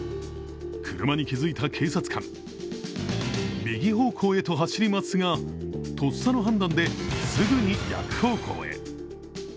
車に気付いた警察官、右方向へと走りますが、とっさの判断ですぐに逆方向へ。